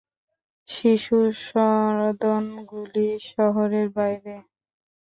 শিশুসদনগুলি শহরের বাইরে।